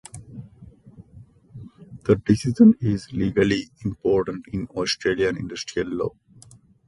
The decision is legally important in Australian Industrial law.